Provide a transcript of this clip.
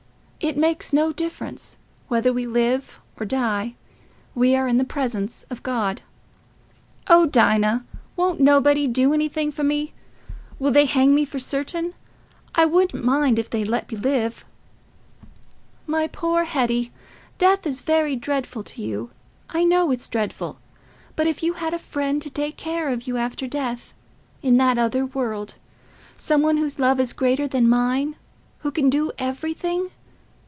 It makes no difference—whether we live or die, we are in the presence of God." "Oh, Dinah, won't nobody do anything for me? Will they hang me for certain?... I wouldn't mind if they'd let me live." "My poor Hetty, death is very dreadful to you. I know it's dreadful. But if you had a friend to take care of you after death—in that other world—some one whose love is greater than mine—who can do everything?...